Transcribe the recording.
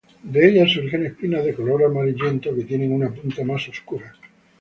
De ellas surgen espinas de color amarillento que tienen una punta más oscura.